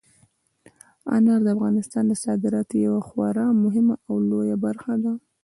انار د افغانستان د صادراتو یوه خورا مهمه او لویه برخه ده.